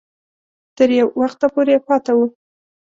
تر یو وخته پورې پاته وو.